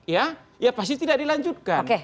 ya pasti tidak dilanjutkan